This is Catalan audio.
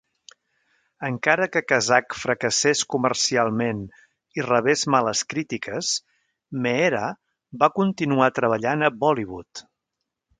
Encara que "Kasak" fracassés comercialment i rebés males crítiques, Meera va continuar treballant a Bollywood.